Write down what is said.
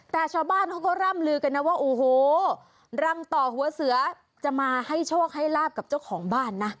แต่ชาวบ้านเขาก็ร่ำลือกันนะว่าโอ้โหรังต่อหัวเสือจะมาให้โชคให้ลาบกับเจ้าของบ้านนะ